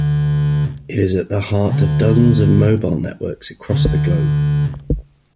It is at the heart of dozens of mobile networks across the globe.